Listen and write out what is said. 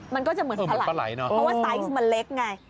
มันก็จะเหมือนพระไหล่เพราะว่าสไตล์เล็กอีก